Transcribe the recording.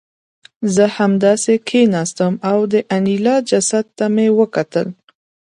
زه همداسې کېناستم او د انیلا جسد ته مې کتل